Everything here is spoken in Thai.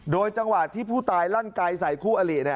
โดยจังหวะที่ผู้ตายลั่นไกลใส่คู่อลิ